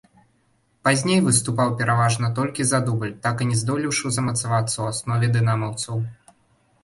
Пазней выступаў пераважна толькі за дубль, так і не здолеўшы замацавацца ў аснове дынамаўцаў.